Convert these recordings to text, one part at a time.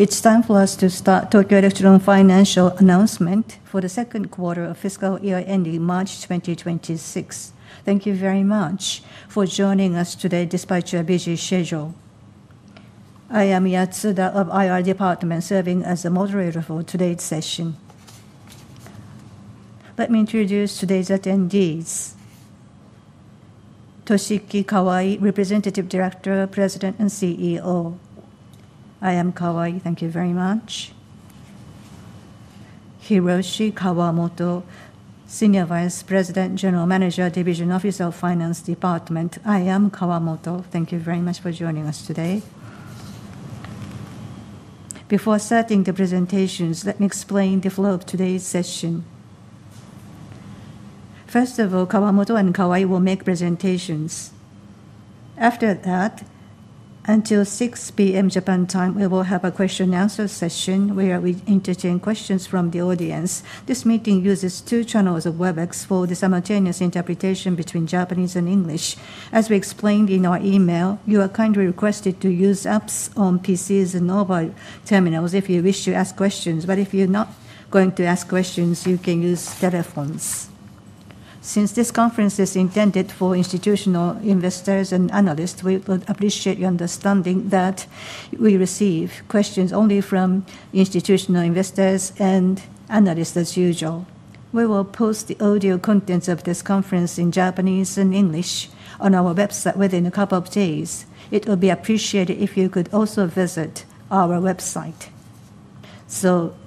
It's time for us to start Tokyo Electron Financial announcement for the second quarter of fiscal year ending March 2026. Thank you very much for joining us today despite your busy schedule. I am Yatsuda of IR Department, serving as the moderator for today's session. Let me introduce today's attendees. Toshiki Kawai, Representative Director, President and CEO. I am Kawai. Thank you very much. Hiroshi Kawamoto, Senior Vice President, General Manager, Division Officer of Finance Department. I am Kawamoto. Thank you very much for joining us today. Before starting the presentations, let me explain the flow of today's session. First of all, Kawamoto and Kawai will make presentations. After that. Until 6:00 P.M. Japan time, we will have a question-and-answer session where we entertain questions from the audience. This meeting uses two channels of Webex for the simultaneous interpretation between Japanese and English. As we explained in our email, you are kindly requested to use apps on PCs and mobile terminals if you wish to ask questions, but if you're not going to ask questions, you can use telephones. Since this conference is intended for institutional investors and analysts, we would appreciate your understanding that we receive questions only from institutional investors and analysts as usual. We will post the audio contents of this conference in Japanese and English on our website within a couple of days. It would be appreciated if you could also visit our website.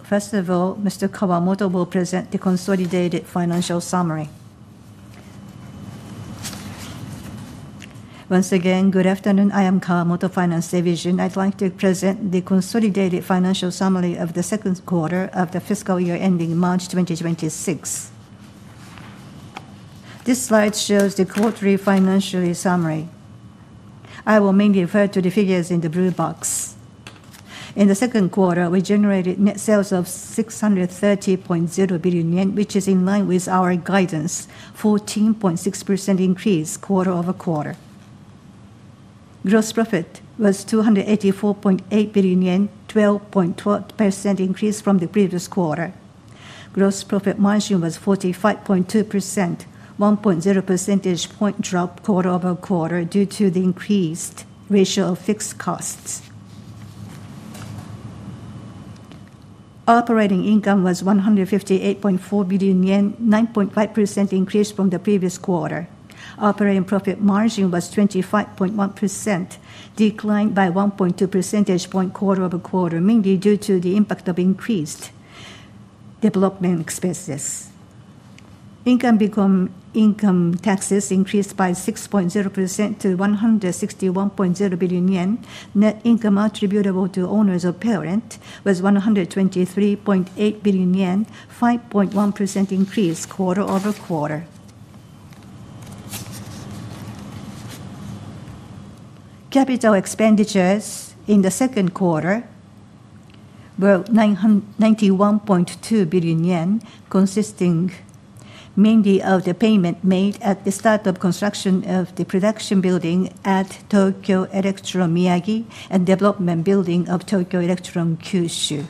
First of all, Mr. Kawamoto will present the consolidated financial summary. Once again, good afternoon. I am Kawamoto, Finance Division. I'd like to present the consolidated financial summary of the second quarter of the fiscal year ending March 2026. This slide shows the quarterly financial summary. I will mainly refer to the figures in the blue box. In the second quarter, we generated net sales of 630.0 billion yen, which is in line with our guidance, a 14.6% increase quarter over quarter. Gross profit was 284.8 billion yen, a 12.12% increase from the previous quarter. Gross profit margin was 45.2%, a 1.0 percentage point drop quarter over quarter due to the increased ratio of fixed costs. Operating income was 158.4 billion yen, a 9.5% increase from the previous quarter. Operating profit margin was 25.1%. Declined by 1.2 percentage points quarter over quarter, mainly due to the impact of increased development expenses. Income taxes increased by 6.0% to 161.0 billion yen. Net income attributable to owners or parents was 123.8 billion yen, a 5.1% increase quarter over quarter. Capital expenditures in the second quarter were 991.2 billion yen, consisting mainly of the payment made at the start of construction of the production building at Tokyo Electron Miyagi and development building of Tokyo Electron Kyushu.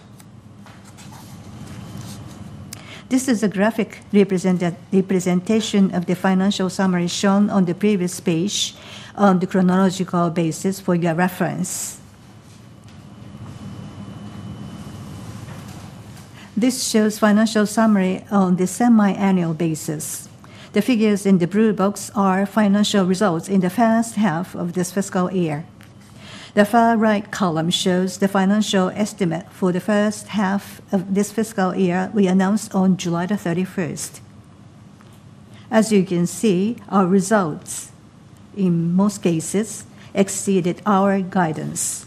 This is a graphic representation of the financial summary shown on the previous page on the chronological basis for your reference. This shows the financial summary on the semi-annual basis. The figures in the blue box are financial results in the first half of this fiscal year. The far right column shows the financial estimate for the first half of this fiscal year we announced on July 31st. As you can see, our results, in most cases, exceeded our guidance.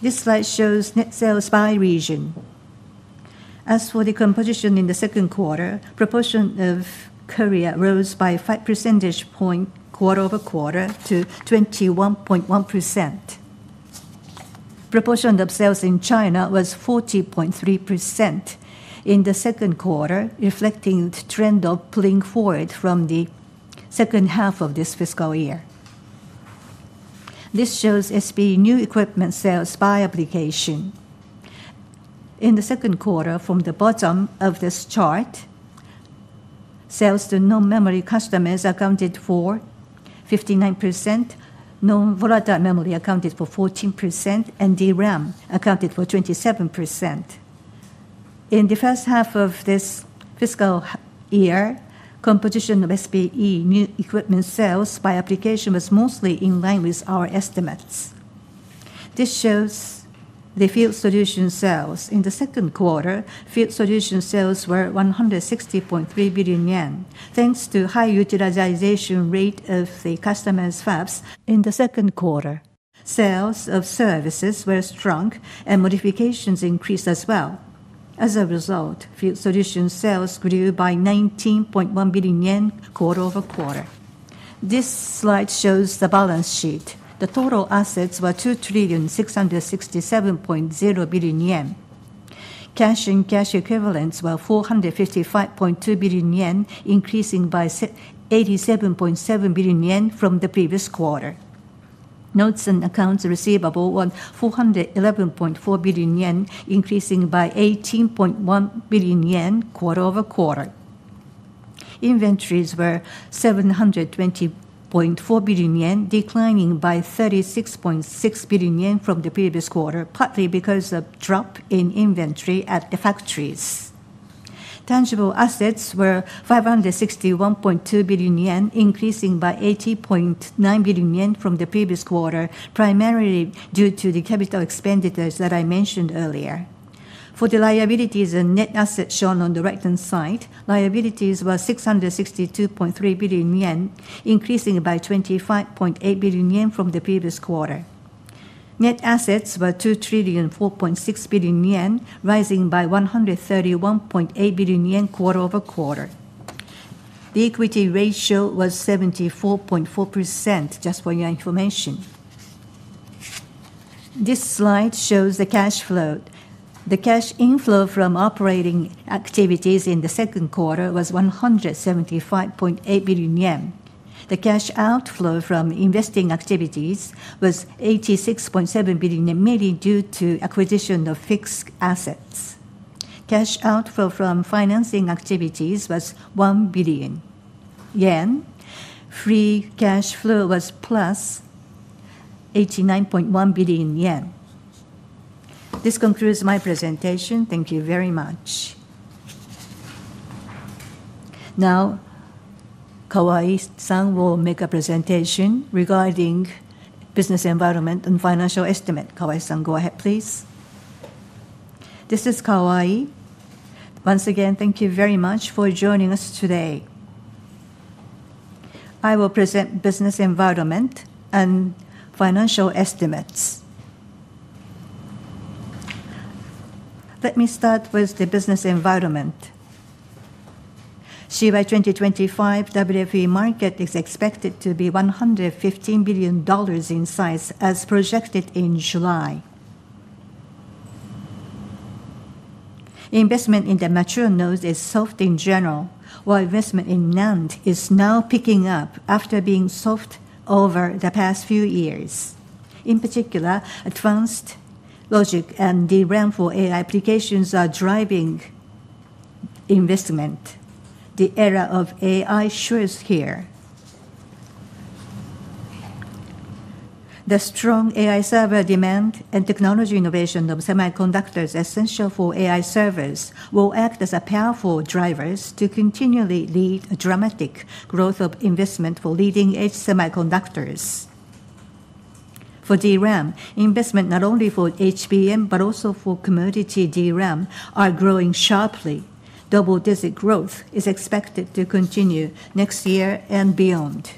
This slide shows net sales by region. As for the composition in the second quarter, the proportion of Korea rose by 5 percentage points quarter over quarter to 21.1%. The proportion of sales in China was 40.3%. In the second quarter, reflecting the trend of pulling forward from the second half of this fiscal year. This shows SBE new equipment sales by application. In the second quarter, from the bottom of this chart, sales to non-memory customers accounted for 59%. Non-volatile memory accounted for 14%, and DRAM accounted for 27%. In the first half of this fiscal year, the composition of SBE new equipment sales by application was mostly in line with our estimates. This shows the field solution sales. In the second quarter, field solution sales were 160.3 billion yen, thanks to the high utilization rate of the customers' fabs in the second quarter. Sales of services were strong, and modifications increased as well. As a result, field solution sales grew by 19.1 billion yen quarter over quarter. This slide shows the balance sheet. The total assets were 2,667,000,000,000 yen. Cash and cash equivalents were 455.2 billion yen, increasing by 87.7 billion yen from the previous quarter. Notes and accounts receivable were 411.4 billion yen, increasing by 18.1 billion yen quarter over quarter. Inventories were 720.4 billion yen, declining by 36.6 billion yen from the previous quarter, partly because of a drop in inventory at the factories. Tangible assets were 561.2 billion yen, increasing by 80.9 billion yen from the previous quarter, primarily due to the capital expenditures that I mentioned earlier. For the liabilities and net assets shown on the right-hand side, liabilities were 662.3 billion yen, increasing by 25.8 billion yen from the previous quarter. Net assets were 2 trillion 4.6 billion, rising by 131.8 billion yen quarter over quarter. The equity ratio was 74.4%, just for your information. This slide shows the cash flow. The cash inflow from operating activities in the second quarter was 175.8 billion yen. The cash outflow from investing activities was 86.7 billion yen, mainly due to the acquisition of fixed assets. Cash outflow from financing activities was 1 billion yen. Free cash flow was plus 89.1 billion yen. This concludes my presentation. Thank you very much. Now, Kawai-san will make a presentation regarding business environment and financial estimates. Kawai-san, go ahead, please. This is Kawai. Once again, thank you very much for joining us today. I will present business environment and financial estimates. Let me start with the business environment. CY 2025 WFE market is expected to be $115 billion in size as projected in July. Investment in the mature nodes is soft in general, while investment in NAND is now picking up after being soft over the past few years. In particular, advanced logic and DRAM for AI applications are driving investment. The era of AI shows here. The strong AI server demand and technology innovation of semiconductors, essential for AI servers, will act as powerful drivers to continually lead a dramatic growth of investment for leading-edge semiconductors. For DRAM, investment not only for HBM but also for commodity DRAM is growing sharply. Double-digit growth is expected to continue next year and beyond.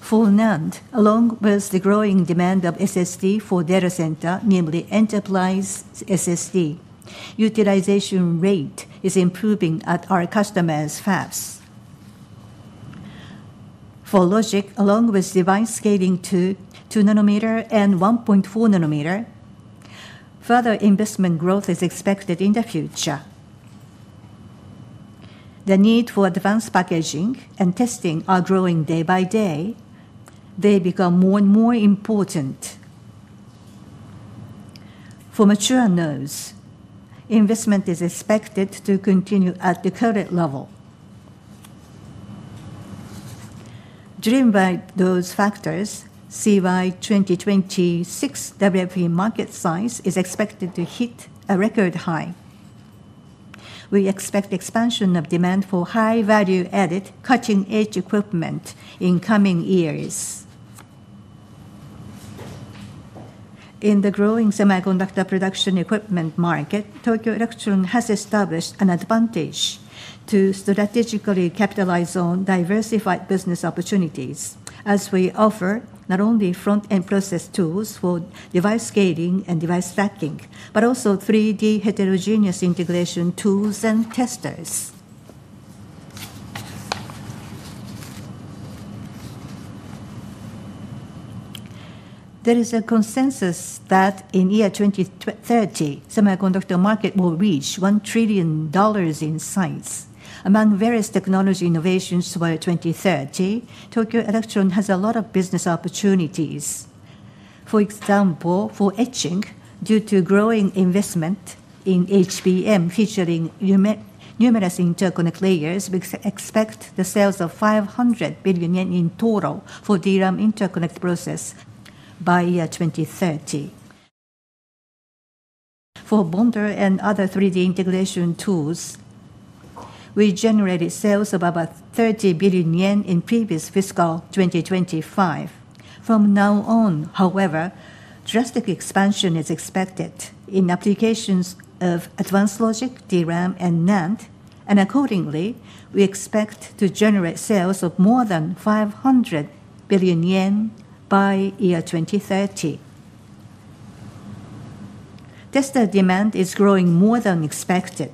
For NAND, along with the growing demand of SSD for data centers, namely enterprise SSD, utilization rate is improving at our customers' fabs. For logic, along with device scaling to 2 nanometer and 1.4 nanometer, further investment growth is expected in the future. The need for advanced packaging and testing is growing day by day. They become more and more important. For mature nodes, investment is expected to continue at the current level. Driven by those factors, CY 2026 WFE market size is expected to hit a record high. We expect expansion of demand for high-value-added, cutting-edge equipment in coming years. In the growing semiconductor production equipment market, Tokyo Electron has established an advantage to strategically capitalize on diversified business opportunities, as we offer not only front-end process tools for device scaling and device stacking, but also 3D heterogeneous integration tools and testers. There is a consensus that in the year 2030, the semiconductor market will reach $1 trillion in size. Among various technology innovations for 2030, Tokyo Electron has a lot of business opportunities. For example, for etching, due to growing investment in HBM featuring numerous interconnect layers, we expect the sales of 500 billion yen in total for DRAM interconnect process by year 2030. For bonder and other 3D integration tools, we generated sales of about 30 billion yen in the previous fiscal 2025. From now on, however, drastic expansion is expected in applications of advanced logic, DRAM, and NAND, and accordingly, we expect to generate sales of more than 500 billion yen by year 2030. Tester demand is growing more than expected.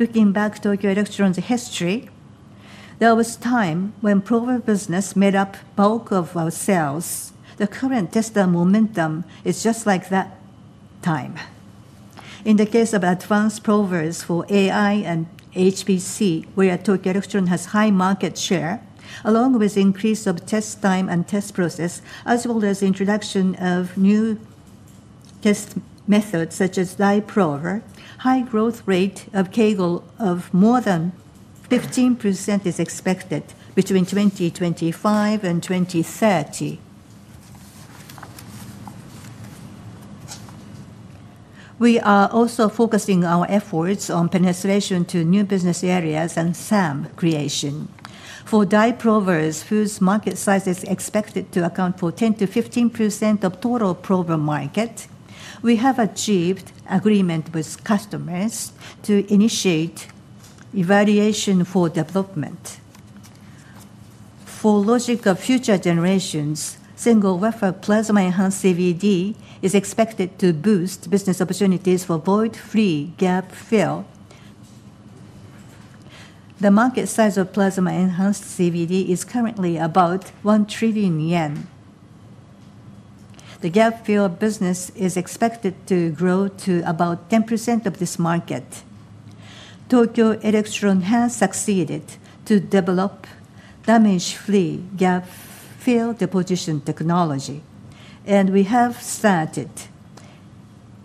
Looking back at Tokyo Electron's history, there was a time when prober business made up bulk of our sales. The current tester momentum is just like that time. In the case of advanced probers for AI and HPC, where Tokyo Electron has a high market share, along with the increase of test time and test process, as well as the introduction of new test methods such as live prober, a high growth rate of CAGR of more than 15% is expected between 2025 and 2030. We are also focusing our efforts on penetration to new business areas and SAM creation. For die probers, whose market size is expected to account for 10%-15% of total prober market, we have achieved agreement with customers to initiate evaluation for development. For logic of future generations, single-wafer plasma-enhanced CVD is expected to boost business opportunities for void-free gap fill. The market size of plasma-enhanced CVD is currently about 1 trillion yen. The gap fill business is expected to grow to about 10% of this market. Tokyo Electron has succeeded to develop damage-free gap fill deposition technology, and we have started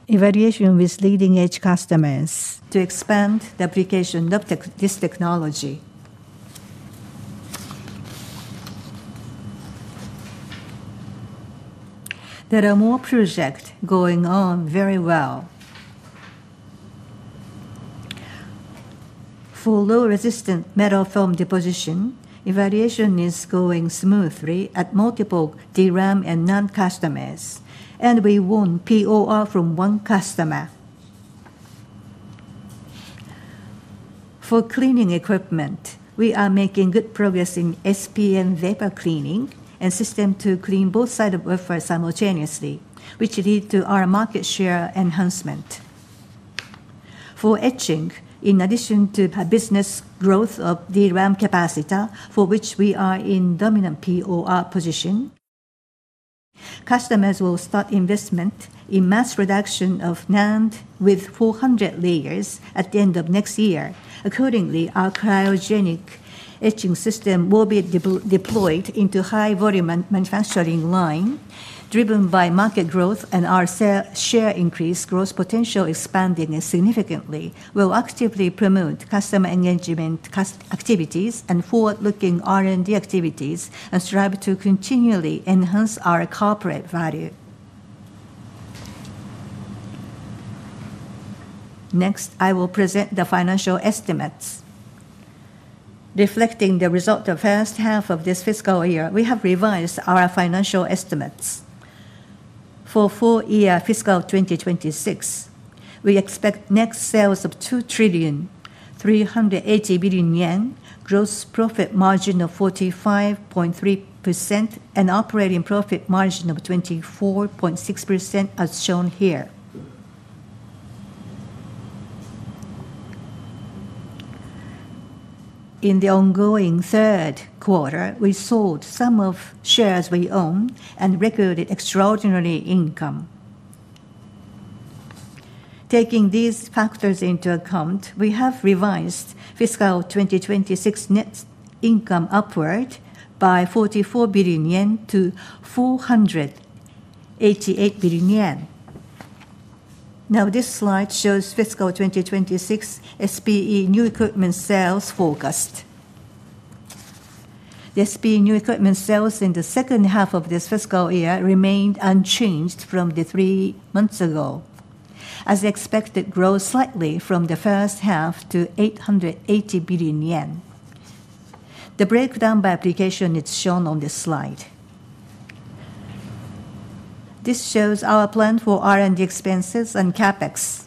evaluation with leading-edge customers to expand the application of this technology. There are more projects going on very well. For low-resistant metal film deposition, evaluation is going smoothly at multiple DRAM and NAND customers, and we won POR from one customer. For cleaning equipment, we are making good progress in SPM vapor cleaning and system to clean both sides of wafers simultaneously, which leads to our market share enhancement. For etching, in addition to the business growth of DRAM capacity, for which we are in a dominant POR position, customers will start investment in mass production of NAND with 400 layers at the end of next year. Accordingly, our cryogenic etching system will be deployed into high-volume manufacturing lines, driven by market growth and our share increase. Gross potential expanding significantly will actively promote customer engagement activities and forward-looking R&D activities and strive to continually enhance our corporate value. Next, I will present the financial estimates. Reflecting the result of the first half of this fiscal year, we have revised our financial estimates. For the full year fiscal 2026, we expect net sales of 2,380,000,000,000 yen, gross profit margin of 45.3%, and operating profit margin of 24.6%, as shown here. In the ongoing third quarter, we sold some of the shares we own and recorded extraordinary income. Taking these factors into account, we have revised fiscal 2026 net income upward by 44 billion-488 billion yen. Now, this slide shows fiscal 2026 SBE new equipment sales focused. The SBE new equipment sales in the second half of this fiscal year remained unchanged from three months ago, as expected grow slightly from the first half to 880 billion yen. The breakdown by application is shown on this slide. This shows our plan for R&D expenses and CapEx.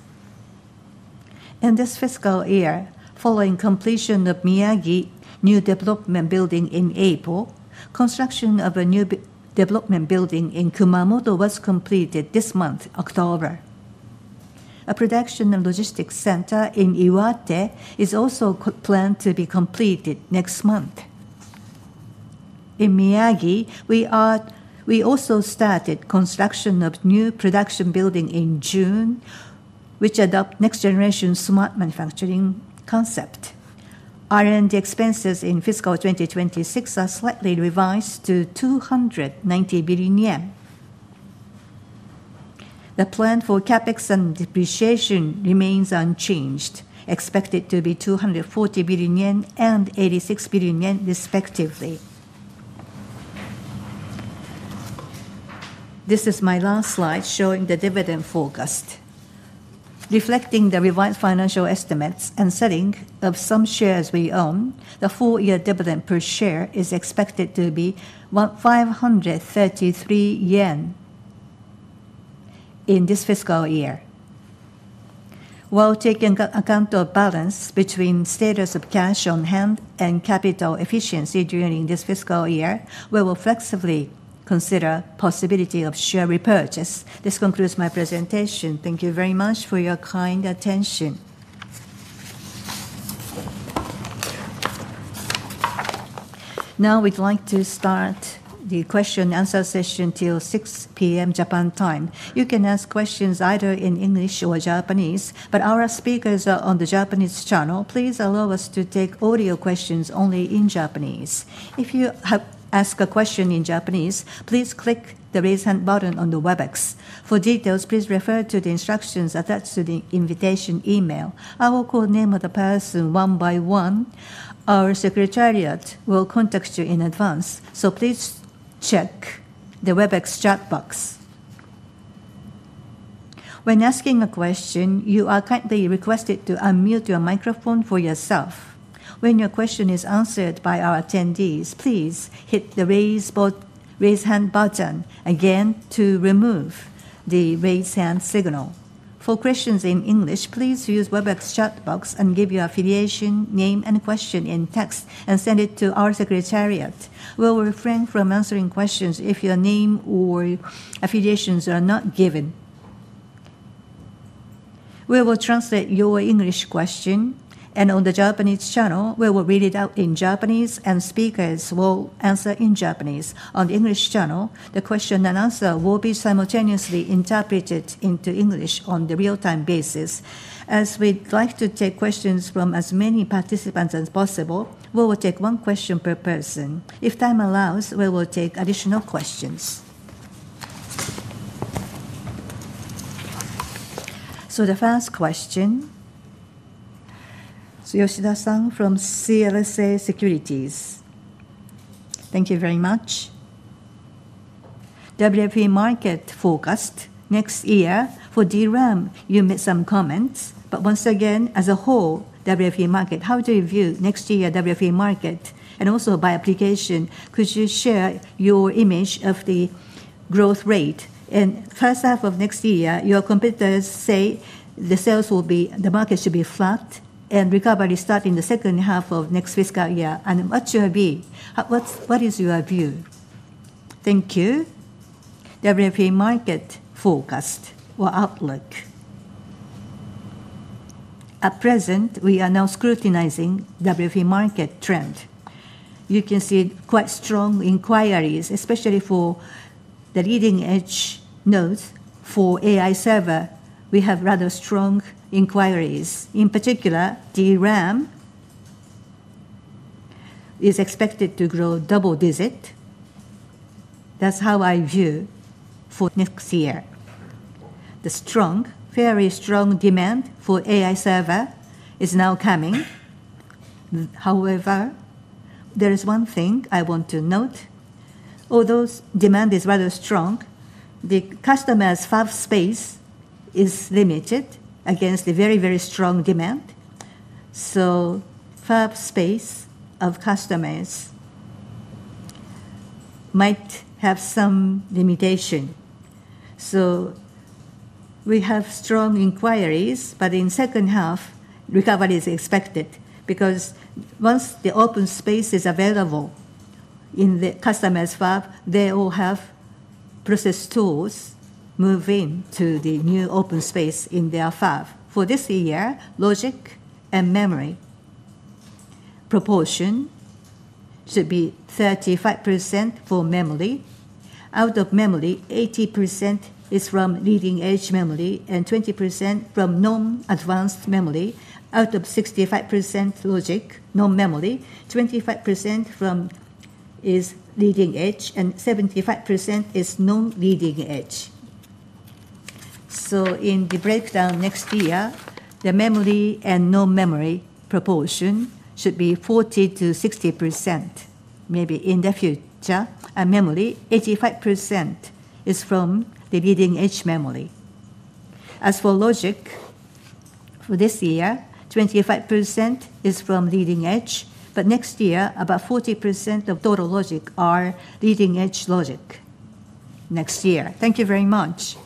In this fiscal year, following completion of Miyagi New Development Building in April, construction of a new development building in Kumamoto was completed this month, October. A production and logistics center in Iwate is also planned to be completed next month. In Miyagi, we also started construction of a new production building in June, which adopts the next-generation smart manufacturing concept. R&D expenses in fiscal 2026 are slightly revised to 290 billion yen. The plan for CapEx and depreciation remains unchanged, expected to be 240 billion yen and 86 billion yen, respectively. This is my last slide showing the dividend focus. Reflecting the revised financial estimates and selling of some shares we own, the full-year dividend per share is expected to be 533 yen. In this fiscal year, while taking account of balance between status of cash on hand and capital efficiency during this fiscal year, we will flexibly consider the possibility of share repurchase. This concludes my presentation. Thank you very much for your kind attention. Now, we'd like to start the question-and-answer session till 6:00 P.M. Japan time. You can ask questions either in English or Japanese, but our speakers are on the Japanese channel. Please allow us to take audio questions only in Japanese. If you ask a question in Japanese, please click the raise-hand button on the Webex. For details, please refer to the instructions attached to the invitation email. I will call the name of the person one by one. Our secretariat will contact you in advance, so please check the Webex chat box. When asking a question, you are kindly requested to unmute your microphone for yourself. When your question is answered by our attendees, please hit the raise-hand button again to remove the raise-hand signal. For questions in English, please use the Webex chat box and give your affiliation, name, and question in text, and send it to our secretariat. We will refrain from answering questions if your name or affiliations are not given. We will translate your English question, and on the Japanese channel, we will read it out in Japanese, and speakers will answer in Japanese. On the English channel, the question and answer will be simultaneously interpreted into English on a real-time basis. As we'd like to take questions from as many participants as possible, we will take one question per person. If time allows, we will take additional questions. The first question. Yoshida-san from CLSA Securities. Thank you very much. WFE market focused. Next year, for DRAM, you made some comments, but once again, as a whole, WFE market, how do you view next year's WFE market? Also, by application, could you share your image of the growth rate? In the first half of next year, your competitors say the sales will be the market should be flat and recovery starting in the second half of next fiscal year. What should it be? What is your view? Thank you. WFE market focused or Outlook. At present, we are now scrutinizing the WFE market trend. You can see quite strong inquiries, especially for the leading-edge nodes for AI server. We have rather strong inquiries. In particular, DRAM is expected to grow double-digit. That's how I view for next year. The strong, very strong demand for AI server is now coming. However, there is one thing I want to note. Although demand is rather strong, the customers' fab space is limited against the very, very strong demand. So, fab space of customers might have some limitation. We have strong inquiries, but in the second half, recovery is expected because once the open space is available in the customers' fab, they will have process tools moving to the new open space in their fab. For this year, logic and memory proportion should be 35% for memory. Out of memory, 80% is from leading-edge memory and 20% from non-advanced memory. Out of 65% logic, non-memory, 25% is leading-edge, and 75% is non-leading-edge. In the breakdown next year, the memory and non-memory proportion should be 40%-60%. Maybe in the future, and memory, 85% is from the leading-edge memory. As for logic, for this year, 25% is from leading-edge, but next year, about 40% of total logic are leading-edge logic next year. Thank you very much.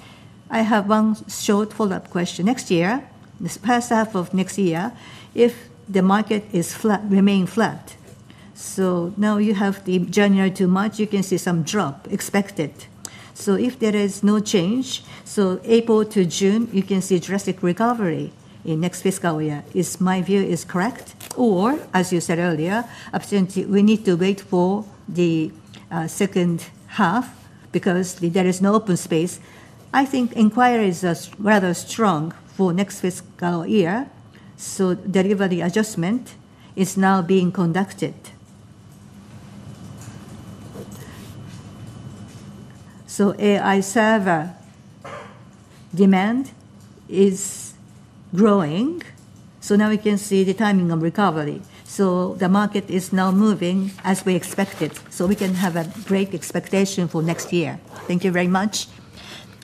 I have one short follow-up question. Next year, this past half of next year, if the market remains flat, now you have the January to March, you can see some drop expected. If there is no change, April to June, you can see drastic recovery in next fiscal year. My view is correct, or as you said earlier, we need to wait for the second half because there is no open space. I think inquiries are rather strong for next fiscal year, so delivery adjustment is now being conducted. AI server demand is growing, so now we can see the timing of recovery. The market is now moving as we expected, so we can have a great expectation for next year. Thank you very much.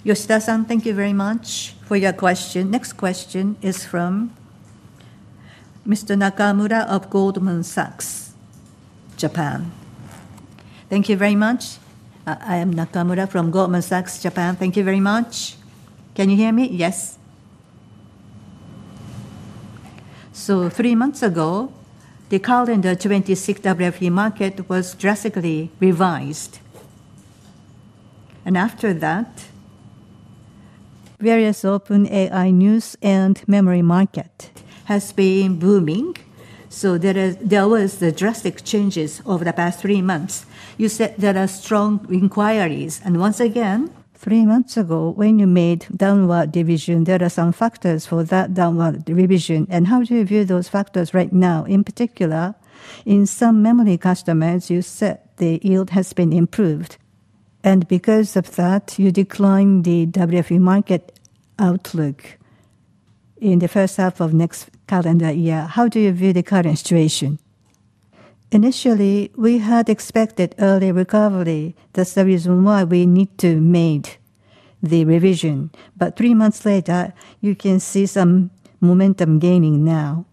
Yoshida-san, thank you very much for your question. Next question is from Mr. Nakamura of Goldman Sachs Japan. Thank you very much. I am Nakamura from Goldman Sachs Japan. Thank you very much. Can you hear me? Yes. Three months ago, the calendar 2026 WFE market was drastically revised, and after that, various open AI news and memory market has been booming. There were the drastic changes over the past three months. You said there are strong inquiries, and once again, three months ago, when you made downward revision, there are some factors for that downward revision. How do you view those factors right now? In particular, in some memory customers, you said the yield has been improved, and because of that, you declined the WFE market outlook in the first half of next calendar year. How do you view the current situation? Initially, we had expected early recovery. That's the reason why we need to make the revision, but three months later, you can see some momentum gaining now.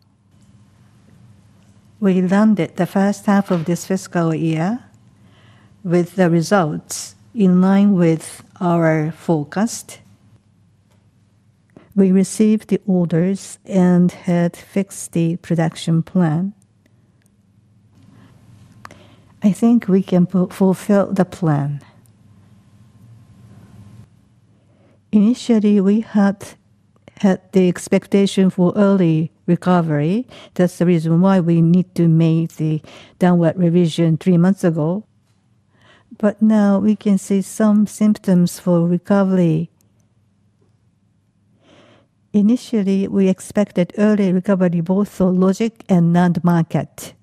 We landed the first half of this fiscal year with the results in line with our focus. We received the orders and had fixed the production plan. I think we can fulfill the plan. Initially, we had the expectation for early recovery. That's the reason why we need to make the downward revision three months ago, but now we can see some symptoms for recovery. Initially, we expected early recovery both for logic and NAND market.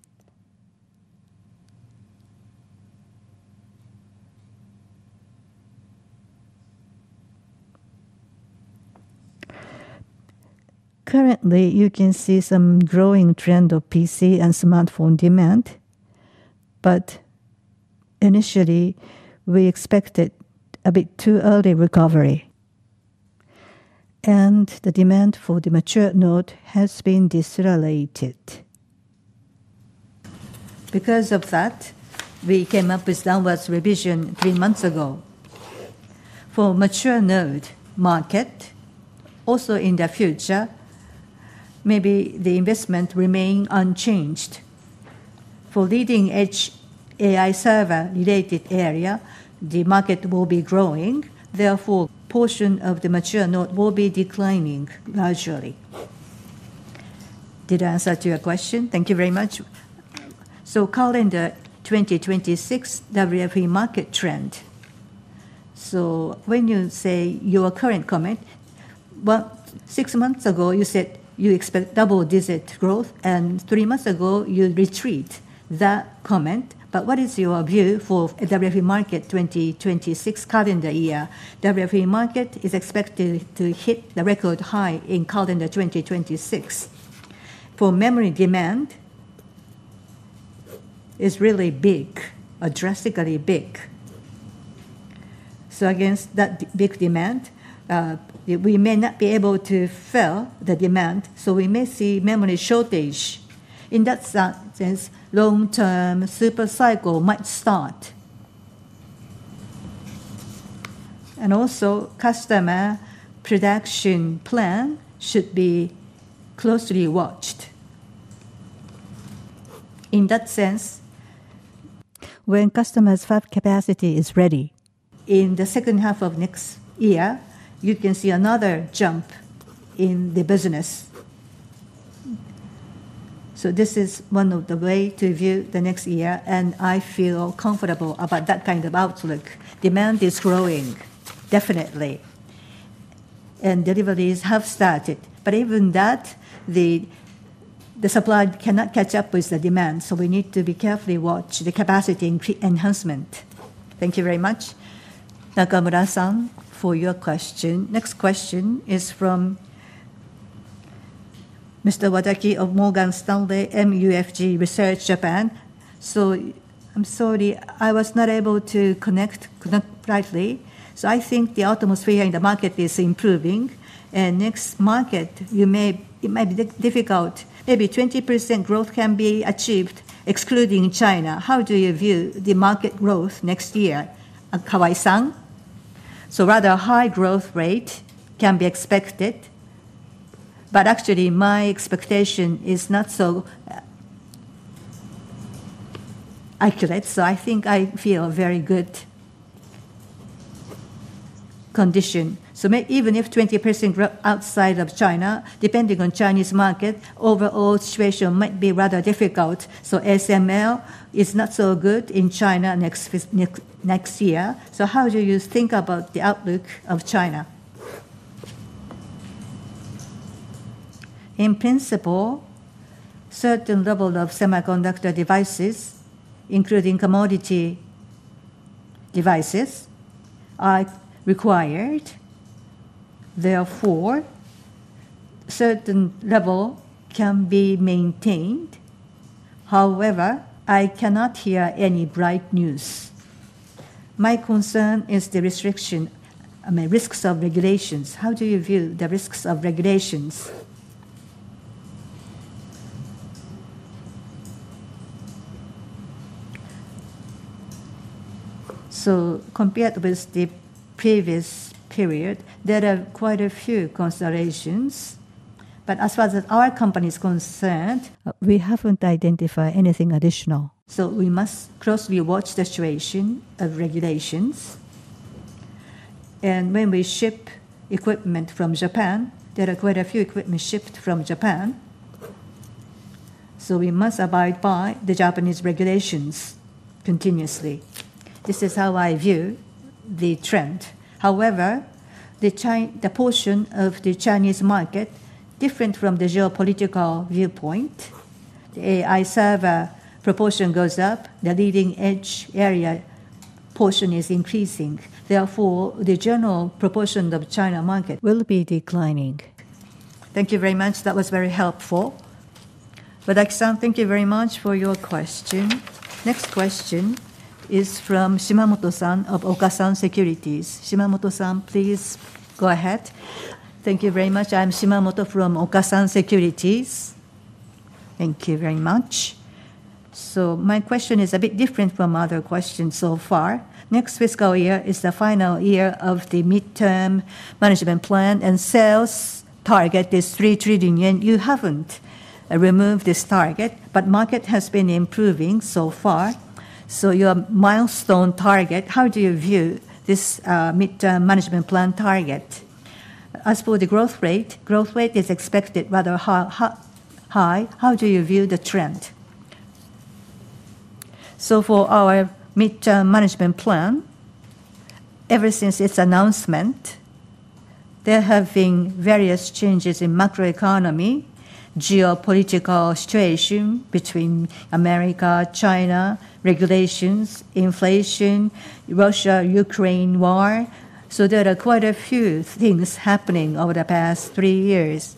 Currently, you can see some growing trend of PC and smartphone demand. Initially, we expected a bit too early recovery, and the demand for the mature node has been desecrated. Because of that, we came up with downward revision three months ago. For mature node market, also in the future, maybe the investment remains unchanged. For leading-edge AI server-related area, the market will be growing. Therefore, a portion of the mature node will be declining gradually. Did I answer to your question? Thank you very much. Calendar 2026 WFE market trend. When you say your current comment, six months ago, you said you expect double-digit growth, and three months ago, you retreated that comment. What is your view for WFE market 2026 calendar year? WFE market is expected to hit the record high in calendar 2026. For memory demand, it is really big, drastically big. Against that big demand, we may not be able to fill the demand, so we may see memory shortage. In that sense, long-term super cycle might start. Also, customer production plan should be closely watched. In that sense, when customers' FAF capacity is ready, in the second half of next year, you can see another jump in the business. This is one of the ways to view the next year, and I feel comfortable about that kind of outlook. Demand is growing, definitely. Deliveries have started. Even that, the supply cannot catch up with the demand, so we need to carefully watch the capacity enhancement. Thank you very much, Nakamura-san, for your question. Next question is from Mr. Wataki of Morgan Stanley MUFG Research Japan. I'm sorry, I was not able to connect rightly. I think the atmosphere in the market is improving. Next market, it may be difficult. Maybe 20% growth can be achieved, excluding China. How do you view the market growth next year, Kawai-san? Rather high growth rate can be expected. Actually, my expectation is not so accurate, so I think I feel a very good condition. Even if 20% grow outside of China, depending on Chinese market, overall situation might be rather difficult. ASML is not so good in China next year. How do you think about the outlook of China? In principle, certain levels of semiconductor devices, including commodity devices, are required. Therefore, certain levels can be maintained. However, I cannot hear any bright news. My concern is the restriction, risks of regulations. How do you view the risks of regulations? Compared with the previous period, there are quite a few considerations. As far as our company is concerned, we haven't identified anything additional. We must closely watch the situation of regulations. When we ship equipment from Japan, there are quite a few equipment shipped from Japan. We must abide by the Japanese regulations continuously. This is how I view the trend. However, the portion of the Chinese market is different from the geopolitical viewpoint. The AI server proportion goes up, the leading-edge area portion is increasing. Therefore, the general proportion of the China market will be declining. Thank you very much. That was very helpful. Wataki-san, thank you very much for your question. Next question is from Shimamoto-san of Okasan Securities. Shimamoto-san, please go ahead. Thank you very much. I'm Shimamoto from Okasan Securities. Thank you very much. My question is a bit different from other questions so far. Next fiscal year is the final year of the midterm management plan, and sales target is 3 trillion yen. You haven't removed this target, but the market has been improving so far. Your milestone target, how do you view this midterm management plan target? As for the growth rate, growth rate is expected rather high. How do you view the trend? For our midterm management plan, ever since its announcement, there have been various changes in macroeconomy, geopolitical situation between America, China, regulations, inflation, Russia-Ukraine war. There are quite a few things happening over the past three years.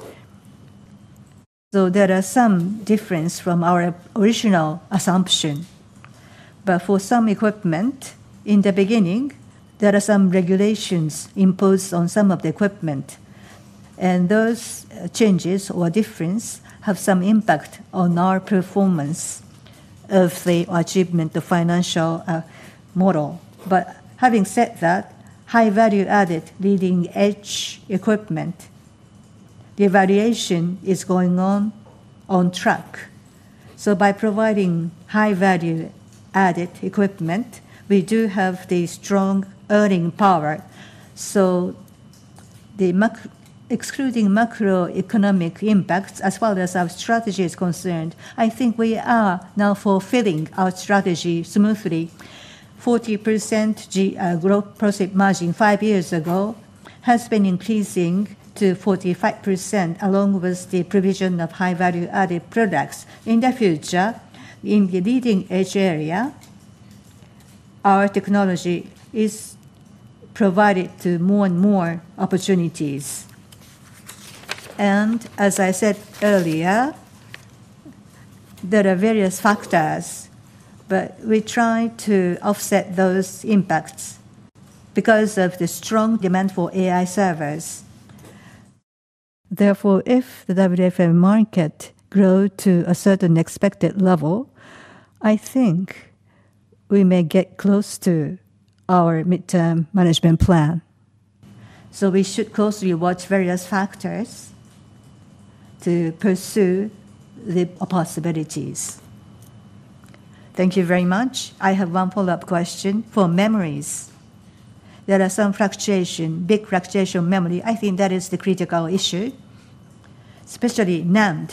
There are some differences from our original assumption. For some equipment, in the beginning, there are some regulations imposed on some of the equipment. Those changes or differences have some impact on our performance of the achievement of financial model. Having said that, high value-added leading-edge equipment, the evaluation is going on track. By providing high value-added equipment, we do have the strong earning power. Excluding macroeconomic impacts as well as our strategy is concerned, I think we are now fulfilling our strategy smoothly. 40% gross profit margin five years ago has been increasing to 45% along with the provision of high value-added products. In the future, in the leading-edge area, our technology is provided to more and more opportunities. As I said earlier, there are various factors, but we try to offset those impacts because of the strong demand for AI servers. Therefore, if the WFE market grows to a certain expected level, I think we may get close to our midterm management plan. We should closely watch various factors to pursue the possibilities. Thank you very much. I have one follow-up question. For memories, there are some big fluctuations in memory. I think that is the critical issue, especially NAND.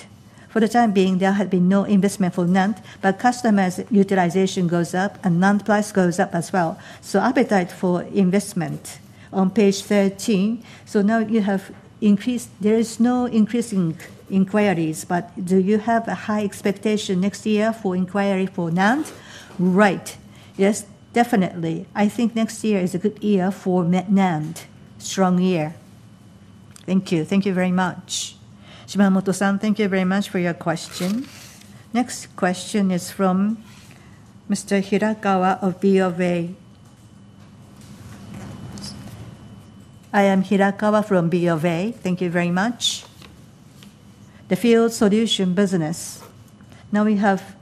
For the time being, there has been no investment for NAND, but customers' utilization goes up and NAND price goes up as well. Appetite for investment on page 13. Now you have increased. There is no increasing inquiries, but do you have a high expectation next year for inquiry for NAND? Right. Yes, definitely. I think next year is a good year for NAND. Strong year. Thank you. Thank you very much. Shimamoto-san, thank you very much for your question. Next question is from Mr. Hirakawa of BofA. I am Hirakawa from BofA. Thank you very much. The field solution business, now we have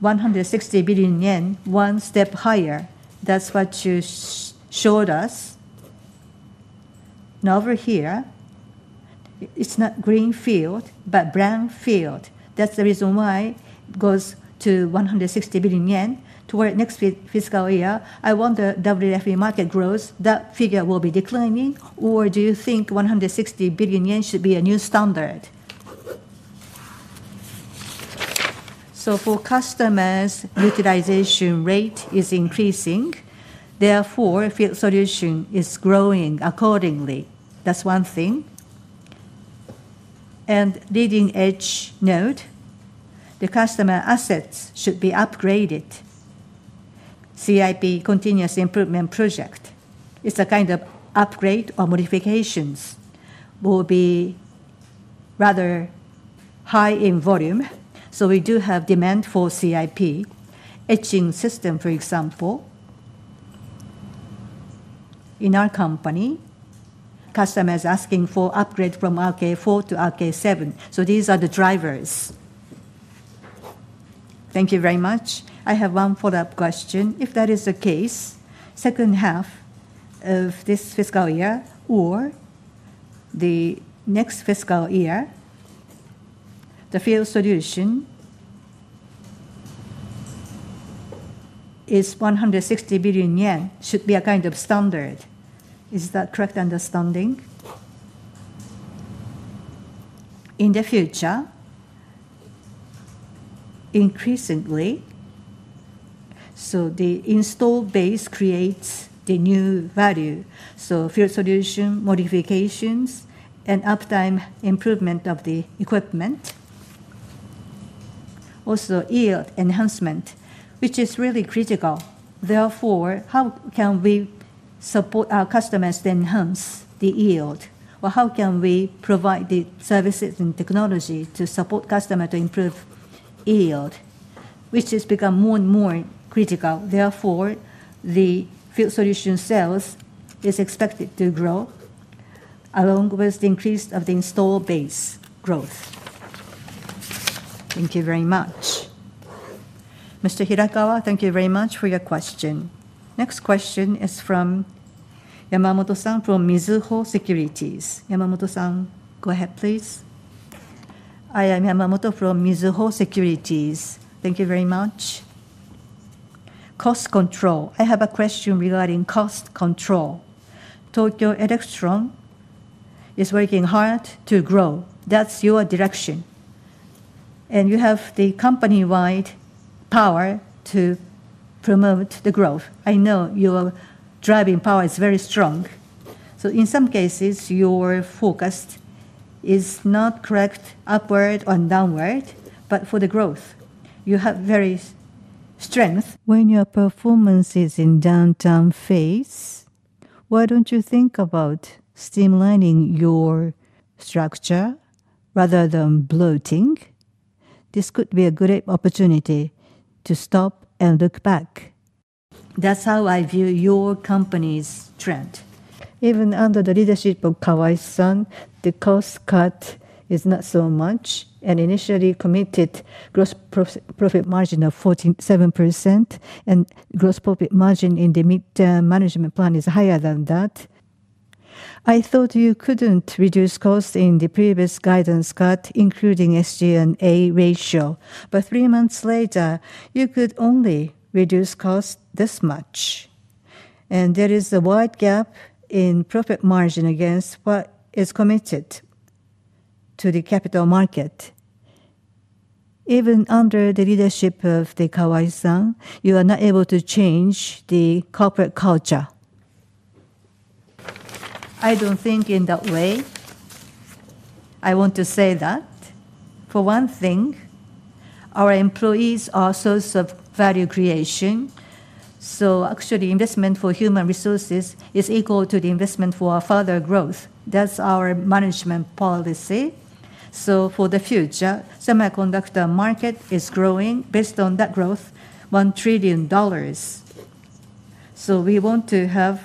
160 billion yen, one step higher. That's what you showed us. Over here, it's not green field, but brown field. That's the reason why it goes to 160 billion yen toward next fiscal year. I wonder WFE market growth, that figure will be declining, or do you think 160 billion yen should be a new standard? For customers, utilization rate is increasing. Therefore, field solution is growing accordingly. That's one thing. Leading-edge node, the customer assets should be upgraded. CIP continuous improvement project. It's a kind of upgrade or modifications. Will be rather high in volume. We do have demand for CIP. Etching system, for example. In our company, customers asking for upgrade from RK4 to RK7. These are the drivers. Thank you very much. I have one follow-up question. If that is the case, second half of this fiscal year or the next fiscal year, the field solution. Is 160 billion yen, should be a kind of standard. Is that correct understanding? In the future, increasingly, the install base creates the new value. Field solution modifications and uptime improvement of the equipment. Also yield enhancement, which is really critical. Therefore, how can we support our customers to enhance the yield? Or how can we provide the services and technology to support customers to improve yield, which has become more and more critical? Therefore, the field solution sales is expected to grow along with the increase of the install base growth. Thank you very much. Mr. Hirakawa, thank you very much for your question. Next question is from Yamamoto-san from Mizuho Securities. Yamamoto-san, go ahead, please. I am Yamamoto from Mizuho Securities. Thank you very much. Cost control. I have a question regarding cost control. Tokyo Electron is working hard to grow. That's your direction. You have the company-wide power to promote the growth. I know your driving power is very strong. In some cases, your focus is not correct upward or downward, but for the growth, you have very strong. When your performance is in downturn phase, why don't you think about streamlining your structure rather than bloating? This could be a good opportunity to stop and look back. That's how I view your company's trend. Even under the leadership of Kawai-san, the cost cut is not so much. Initially committed gross profit margin of 47%, and gross profit margin in the midterm management plan is higher than that. I thought you couldn't reduce costs in the previous guidance cut, including SG&A ratio. Three months later, you could only reduce costs this much. There is a wide gap in profit margin against what is committed to the capital market. Even under the leadership of Kawai-san, you are not able to change the corporate culture. I don't think in that way. I want to say that. For one thing, our employees are a source of value creation. Actually, investment for human resources is equal to the investment for further growth. That's our management policy. For the future, the semiconductor market is growing based on that growth, $1 trillion. We want to have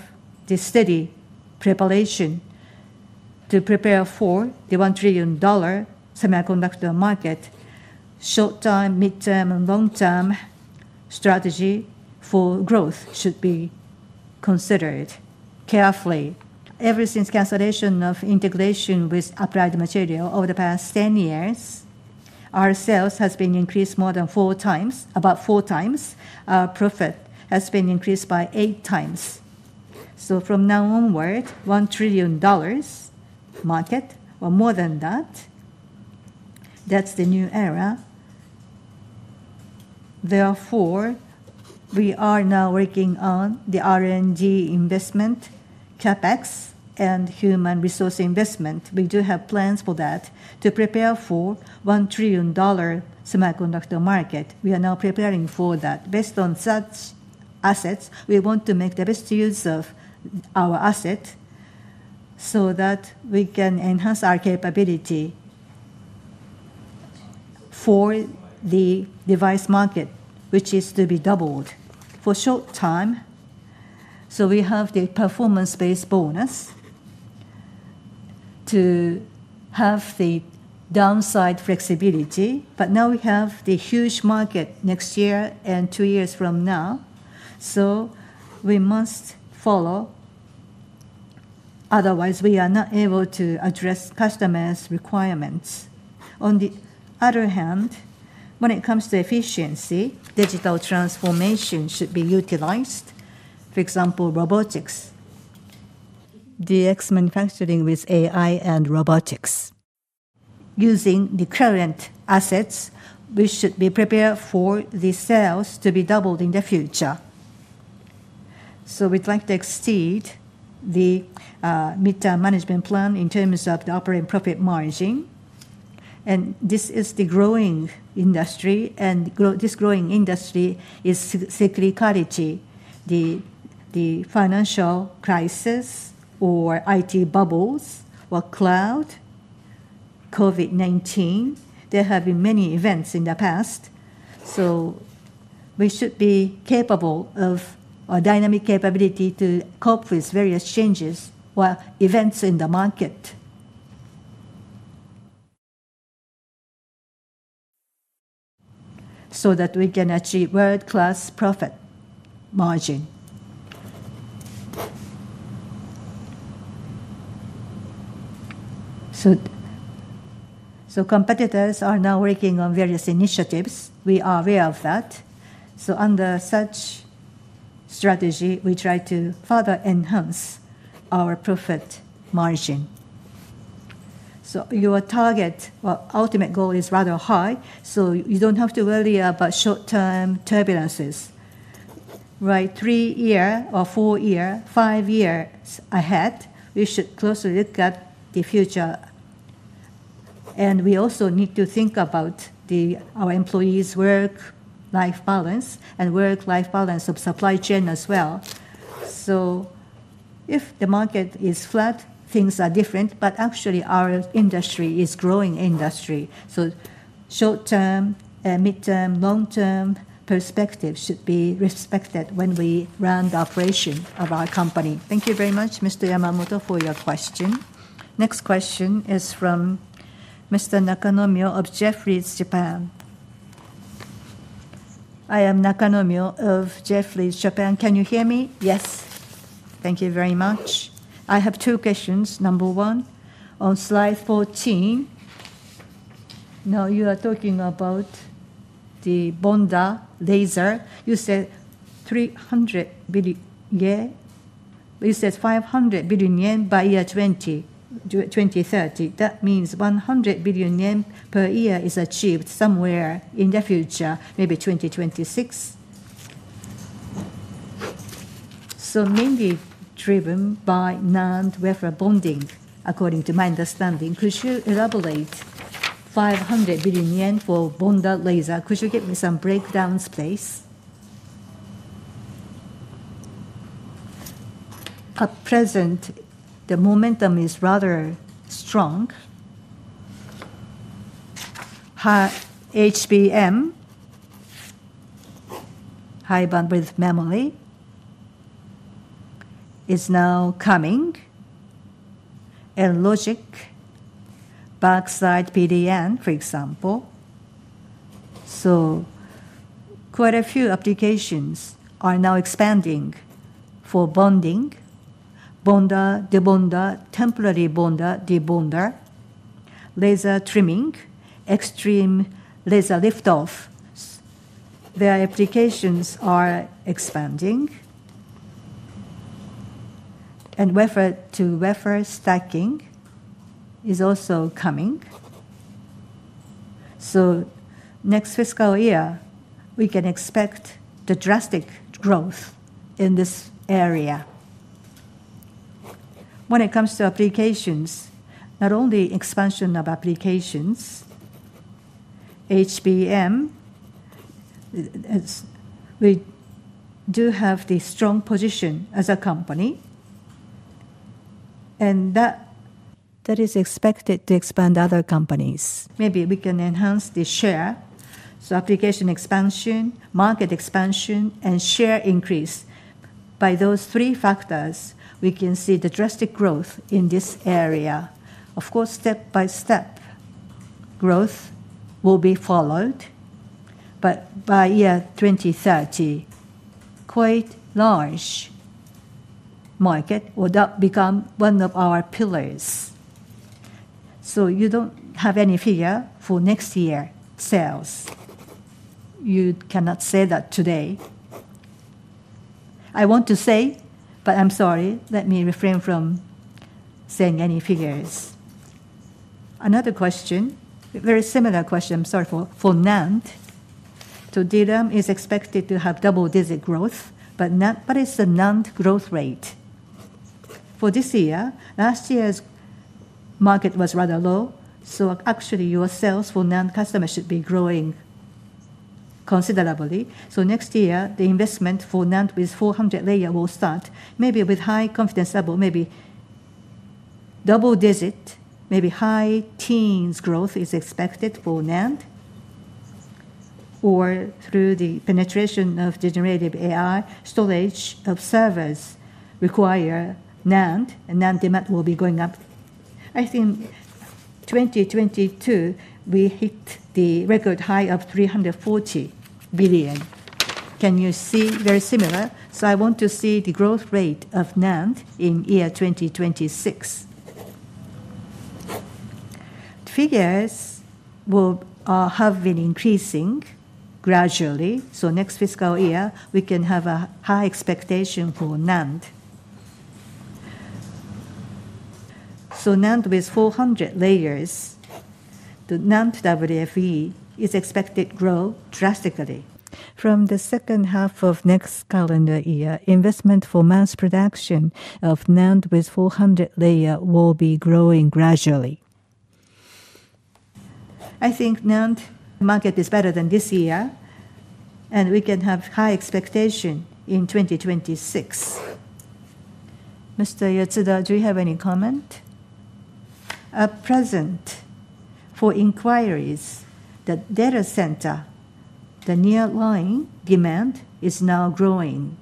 the steady preparation. To prepare for the $1 trillion semiconductor market. Short-term, midterm, and long-term strategy for growth should be considered carefully. Ever since cancellation of integration with Applied Materials over the past 10 years, our sales have been increased more than four times, about four times. Our profit has been increased by eight times. From now onward, $1 trillion market or more than that. That is the new era. Therefore, we are now working on the R&D investment, CapEx, and human resource investment. We do have plans for that to prepare for $1 trillion semiconductor market. We are now preparing for that. Based on such assets, we want to make the best use of our assets so that we can enhance our capability for the device market, which is to be doubled for a short time. We have the performance-based bonus to have the downside flexibility. Now we have the huge market next year and two years from now. We must follow. Otherwise, we are not able to address customers' requirements. On the other hand, when it comes to efficiency, digital transformation should be utilized. For example, robotics. DX manufacturing with AI and robotics. Using the current assets, we should be prepared for the sales to be doubled in the future. We would like to exceed the midterm management plan in terms of the operating profit margin. This is the growing industry, and this growing industry is security quality. The financial crisis or IT bubbles or cloud, COVID-19. There have been many events in the past. We should be capable of a dynamic capability to cope with various changes or events in the market so that we can achieve world-class profit margin. Competitors are now working on various initiatives. We are aware of that. Under such strategy, we try to further enhance our profit margin. Your target or ultimate goal is rather high, so you do not have to worry about short-term turbulences, right? Three-year or four-year, five-year ahead, we should closely look at the future. We also need to think about our employees' work-life balance and work-life balance of supply chain as well. If the market is flat, things are different. Actually, our industry is a growing industry. Short-term, midterm, long-term perspectives should be respected when we run the operation of our company. Thank you very much, Mr. Yamamoto, for your question. Next question is from Mr. Nakanomyo of Jefferies Japan. I am Nakanomyo of Jefferies Japan. Can you hear me? Yes. Thank you very much. I have two questions. Number one, on slide 14. Now you are talking about the Bonder laser. You said 300 billion yen. You said 500 billion yen by year 2030. That means 100 billion yen per year is achieved somewhere in the future, maybe 2026. Mainly driven by NAND wafer bonding, according to my understanding. Could you elaborate. 500 billion yen for bonder laser? Could you give me some breakdown, please? At present, the momentum is rather strong. HBM, high bandwidth memory, is now coming. And logic, backside PDN, for example. Quite a few applications are now expanding for bonding. Bonder, the bonder, temporary bonder, the bonder. Laser trimming, extreme laser liftoff, their applications are expanding. Wafer to wafer stacking is also coming. Next fiscal year, we can expect the drastic growth in this area. When it comes to applications, not only expansion of applications. HBM, we do have the strong position as a company. That is expected to expand other companies. Maybe we can enhance the share. Application expansion, market expansion, and share increase, by those three factors, we can see the drastic growth in this area. Of course, step-by-step, growth will be followed. By year 2030, quite large market will become one of our pillars. You do not have any figure for next year's sales. You cannot say that today. I want to say, but I am sorry, let me refrain from saying any figures. Another question, very similar question, I am sorry, for NAND. To DRAM, it is expected to have double-digit growth, but what is the NAND growth rate? For this year, last year's market was rather low. Actually, your sales for NAND customers should be growing considerably. Next year, the investment for NAND with 400 layers will start, maybe with high confidence level, maybe double-digit, maybe high teens growth is expected for NAND. Through the penetration of generative AI, storage of servers require NAND, and NAND demand will be going up, I think. In 2022, we hit the record high of 340 billion. Can you see very similar? I want to see the growth rate of NAND in year 2026. Figures will have been increasing gradually. Next fiscal year, we can have a high expectation for NAND. NAND with 400 layers, the NAND WFE is expected to grow drastically. From the second half of next calendar year, investment for mass production of NAND with 400 layers will be growing gradually. I think NAND market is better than this year, and we can have high expectation in 2026. Mr. Yatsuda, do you have any comment? At present, for inquiries, the data center, the nearline demand is now growing.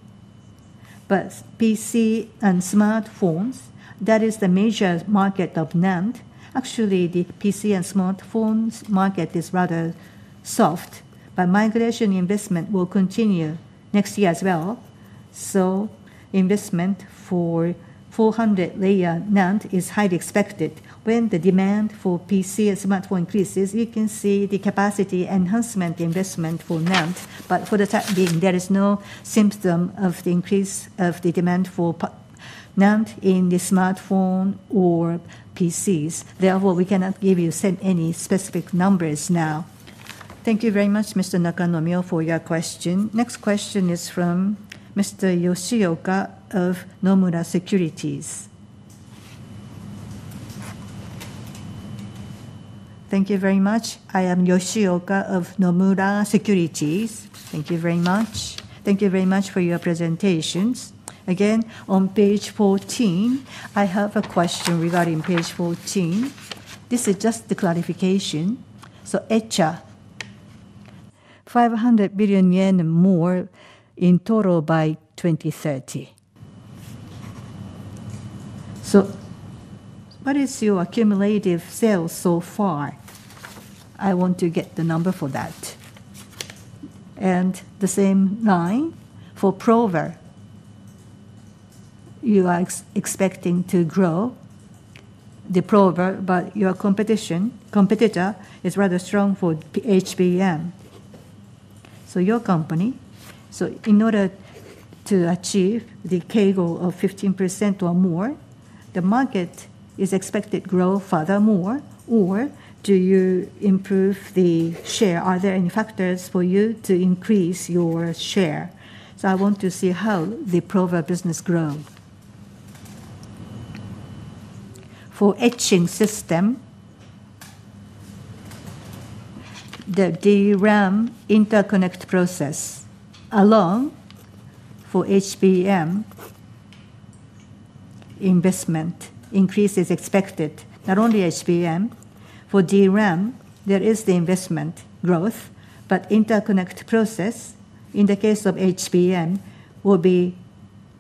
PC and smartphones, that is the major market of NAND. Actually, the PC and smartphones market is rather soft, but migration investment will continue next year as well. Investment for 400 layer NAND is highly expected. When the demand for PC and smartphone increases, you can see the capacity enhancement investment for NAND. For the time being, there is no symptom of the increase of the demand for NAND in the smartphone or PCs. Therefore, we cannot give you any specific numbers now. Thank you very much, Mr. Nakanomyo, for your question. Next question is from Mr. Yoshio Oka of Nomura Securities. Thank you very much. I am Yoshio Oka of Nomura Securities. Thank you very much. Thank you very much for your presentations. Again, on page 14, I have a question regarding page 14. This is just the clarification. So ECHA. 500 billion yen more in total by 2030. What is your accumulative sales so far? I want to get the number for that. And the same line for Prober. You are expecting to grow the Prober, but your competition, competitor is rather strong for HBM. Your company, in order to achieve the K-goal of 15% or more, the market is expected to grow furthermore, or do you improve the share? Are there any factors for you to increase your share? I want to see how the Prober business grows. For etching system, the DRAM interconnect process. Along for HBM, investment increase is expected. Not only HBM, for DRAM, there is the investment growth, but interconnect process, in the case of HBM, will be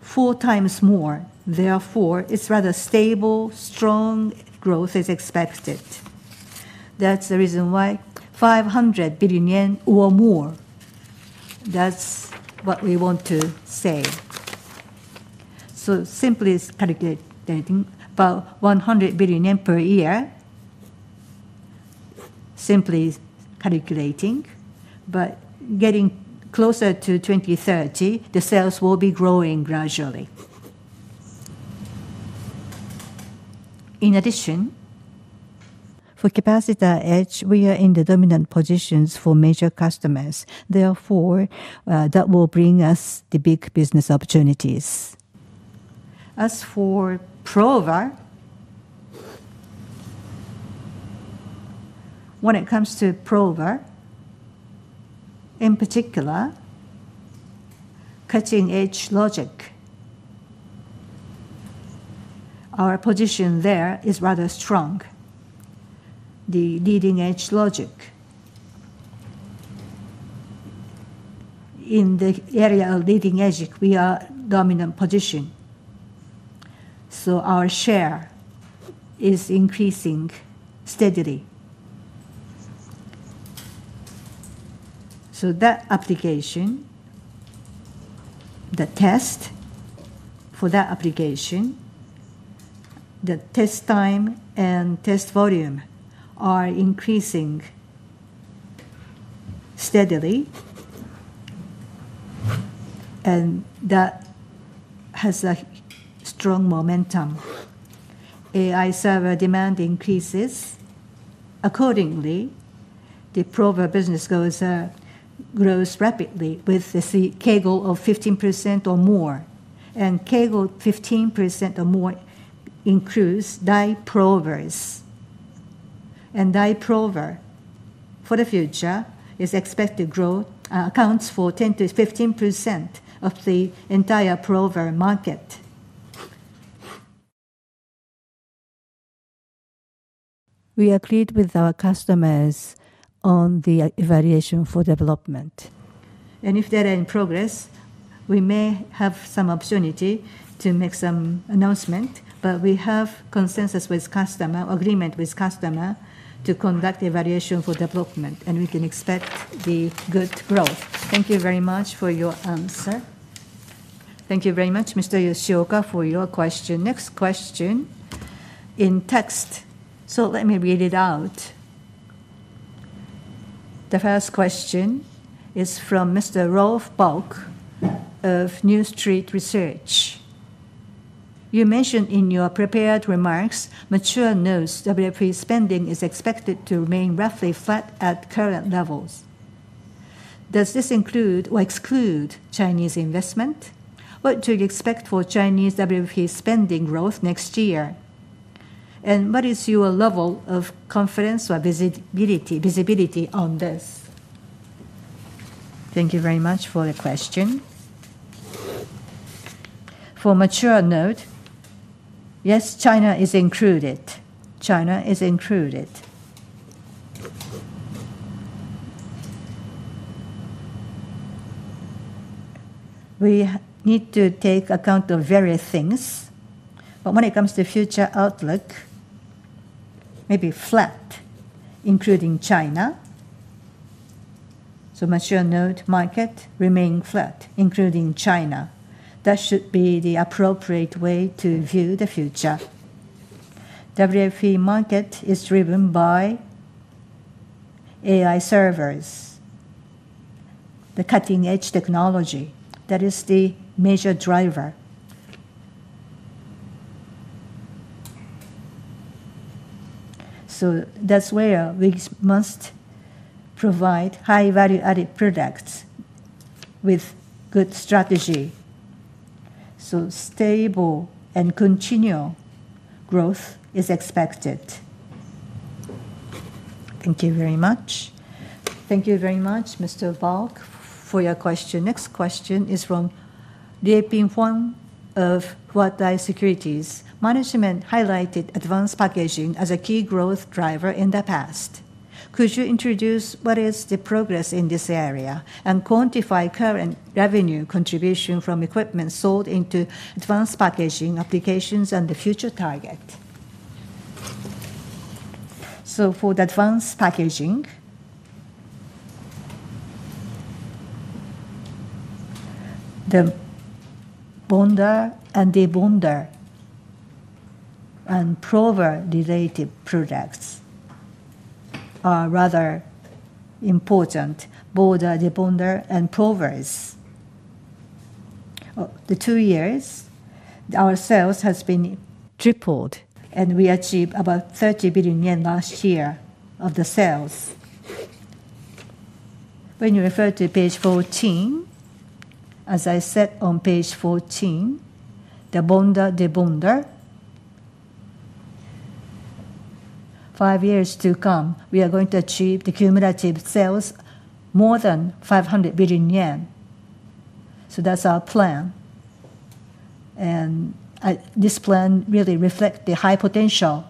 four times more. Therefore, rather stable, strong growth is expected. That is the reason why 500 billion yen or more. That is what we want to say. Simply calculating about 100 billion yen per year. Simply calculating, but getting closer to 2030, the sales will be growing gradually. In addition, for capacity edge, we are in the dominant positions for major customers. Therefore, that will bring us the big business opportunities. As for Prober, when it comes to Prober, in particular, cutting-edge logic, our position there is rather strong. The leading-edge logic, in the area of leading-edge, we are a dominant position. Our share is increasing steadily. That application, the test, for that application, the test time and test volume are increasing steadily. That has a strong momentum. AI server demand increases accordingly. The Prober business grows rapidly with the K-goal of 15% or more. K-goal 15% or more increase by Prober. By Prober, for the future, it is expected to grow, accounts for 10%-15% of the entire Prober market. We agreed with our customers on the evaluation for development. If they are in progress, we may have some opportunity to make some announcement. We have consensus with customer, agreement with customer to conduct evaluation for development. We can expect the good growth. Thank you very much for your answer. Thank you very much, Mr. Yoshioka, for your question. Next question. In text. Let me read it out. The first question is from Mr. Rolf Bulk of New Street Research. You mentioned in your prepared remarks, mature node WFE spending is expected to remain roughly flat at current levels. Does this include or exclude Chinese investment? What do you expect for Chinese WFE spending growth next year? What is your level of confidence or visibility on this? Thank you very much for the question. For mature node, yes, China is included. China is included. We need to take account of various things. When it comes to future outlook, maybe flat, including China. Mature node market remains flat, including China. That should be the appropriate way to view the future. WFE market is driven by AI servers. The cutting-edge technology, that is the major driver. That is where we must provide high-value added products with good strategy. Stable and continual growth is expected. Thank you very much. Thank you very much, Mr. Bulk, for your question. Next question is from Lie Ping Huang of Huatai Securities. Management highlighted advanced packaging as a key growth driver in the past. Could you introduce what is the progress in this area and quantify current revenue contribution from equipment sold into advanced packaging applications and the future target? For the advanced packaging, the Bonder and the Bonder and Prober related products are rather important. Bonder, the Bonder, and Prober is, the two years, our sales have been tripled, and we achieved about 30 billion yen last year of the sales. When you refer to page 14, as I said on page 14, the Bonder, the Bonder, five years to come, we are going to achieve the cumulative sales more than 500 billion yen. That is our plan. This plan really reflects the high potential.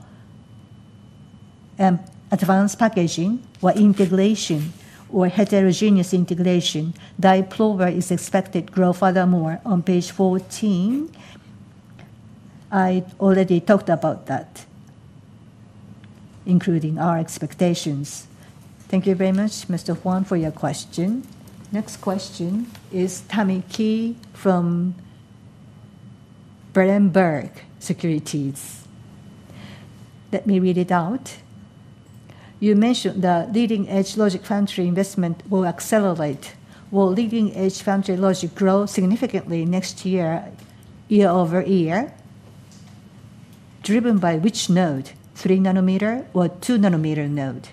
Advanced packaging or integration or heterogeneous integration is expected to grow furthermore on page 14. I already talked about that, including our expectations. Thank you very much, Mr. Huang, for your question. Next question is [Tommy Key] from [Brandenburg Securities]. Let me read it out. You mentioned the leading-edge logic country investment will accelerate. Will leading-edge country logic grow significantly next year, year over year? Driven by which node, 3 nanometer or 2 nanometer node?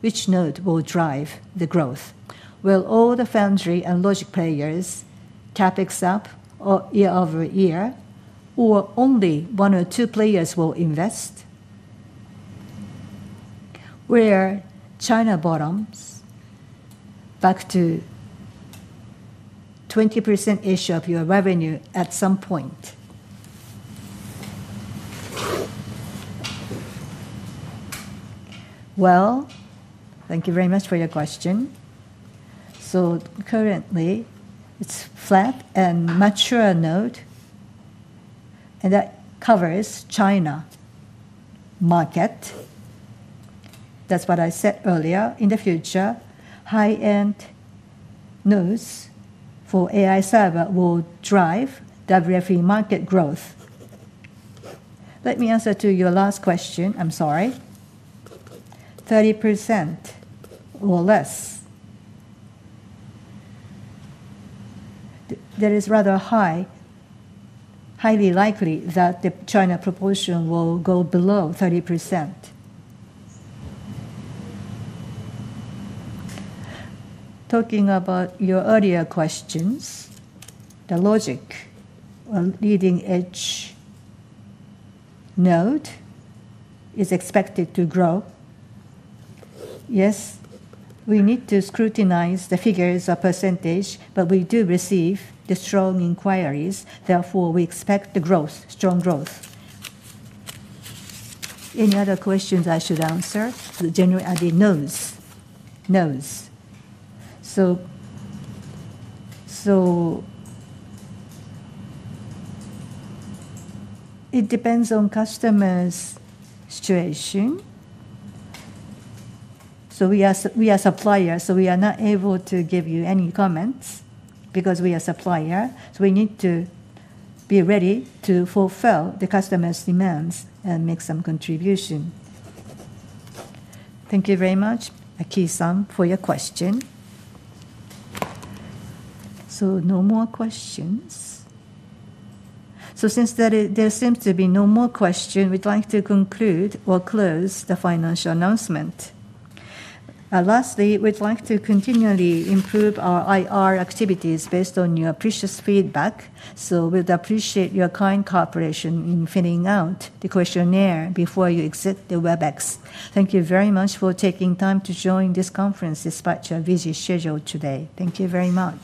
Which node will drive the growth? Will all the foundry and logic players CapEx up year over year, or only one or two players will invest? Where China bottoms back to 20% issue of your revenue at some point? Thank you very much for your question. Currently, it is flat and mature node, and that covers China market. That is what I said earlier. In the future, high-end nodes for AI server will drive WFE market growth. Let me answer to your last question. I am sorry. 30% or less, that is rather high. Highly likely that the China proportion will go below 30%. Talking about your earlier questions, the logic or leading-edge node is expected to grow. Yes, we need to scrutinize the figures of percentage, but we do receive the strong inquiries. Therefore, we expect the growth, strong growth. Any other questions I should answer? The general ID nodes. It depends on customer's situation. We are suppliers, so we are not able to give you any comments because we are suppliers. We need to be ready to fulfill the customer's demands and make some contribution. Thank you very much, Akisan, for your question. No more questions. Since there seems to be no more questions, we would like to conclude or close the financial announcement. Lastly, we'd like to continually improve our IR activities based on your precious feedback. We'd appreciate your kind cooperation in filling out the questionnaire before you exit the Webex. Thank you very much for taking time to join this conference despite your busy schedule today. Thank you very much.